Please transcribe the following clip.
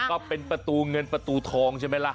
ก็เป็นประตูเงินประตูทองใช่ไหมล่ะ